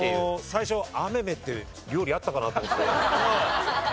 最初あめめって料理あったかな？と思って。